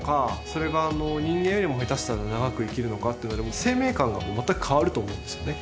それが人間よりも下手したら長く生きるのかっていうので生命観が全く変わると思うんですよね